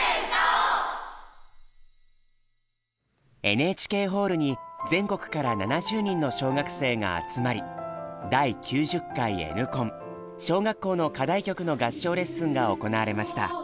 ＮＨＫホールに全国から７０人の小学生が集まり第９０回Ｎコン小学校の課題曲の合唱レッスンが行われました。